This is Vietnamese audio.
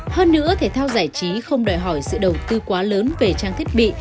hơn nữa thể thao giải trí không đòi hỏi sự đầu tư quá lớn về trang thiết bị